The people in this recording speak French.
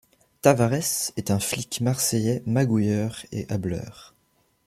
Tavarès est un flic marseillais magouilleur et hâbleur.